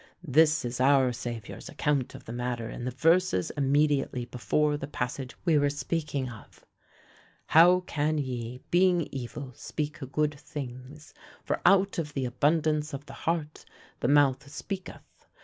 This is our Savior's account of the matter in the verses immediately before the passage we were speaking of 'How can ye, being evil, speak good things? for out of the abundance of the heart the mouth speaketh.